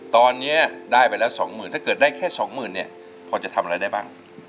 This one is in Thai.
ตอนนี้ได้ไปแล้วสองหมื่นถ้าเกิดได้แค่สองหมื่นเนี่ยพอจะทำอะไรได้บ้าง